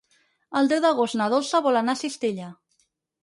El deu d'agost na Dolça vol anar a Cistella.